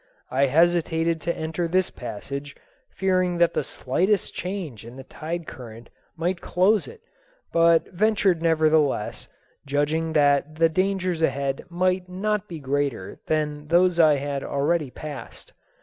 I hesitated to enter this passage, fearing that the slightest change in the tide current might close it, but ventured nevertheless, judging that the dangers ahead might not be greater than those I had already passed.